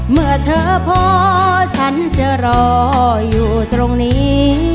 เมื่อเธอพอฉันจะรออยู่ตรงนี้